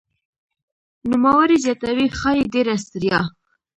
نوموړی زیاتوي "ښايي ډېره ستړیا